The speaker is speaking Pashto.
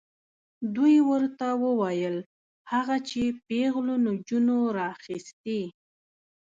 دوی ورته وویل هغه چې پیغلو نجونو راخیستې.